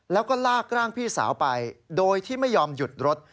แล้วก็ลากร่างพี่สาวไปโดยที่ไม่ยอมหยุดรถ